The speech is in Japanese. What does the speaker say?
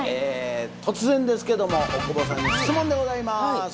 突然ですけども大久保さんに質問でございます。